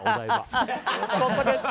ここです！